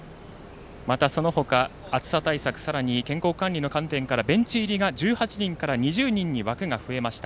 またその他、暑さ対策健康管理の観点からベンチ入りが１８人から２０人に枠が増えました。